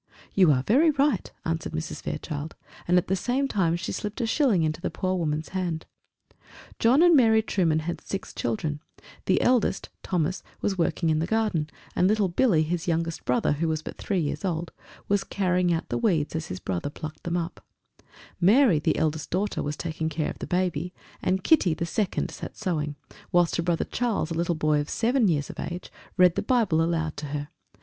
"You are very right," answered Mrs. Fairchild; and at the same time she slipped a shilling into the poor woman's hand. John and Mary Trueman had six children: the eldest, Thomas, was working in the garden; and little Billy, his youngest brother, who was but three years old, was carrying out the weeds as his brother plucked them up; Mary, the eldest daughter, was taking care of the baby; and Kitty, the second, sat sewing: whilst her brother Charles, a little boy of seven years of age, read the Bible aloud to her.